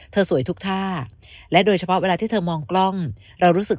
สวยทุกท่าและโดยเฉพาะเวลาที่เธอมองกล้องเรารู้สึก